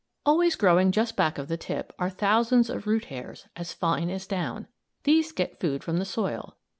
Always growing just back of the tip, are thousands of root hairs, as fine as down. These get food from the soil.